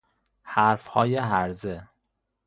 حرف های هرزه